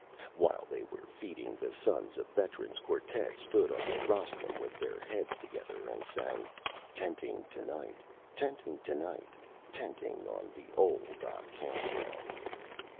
While they were Feeding, the Sons of Veterans Quartet stood on the Rostrum with their Heads together, and sang: "Ten ting to night! Ten ting to night, Ten ting on the old ah Camp ground!"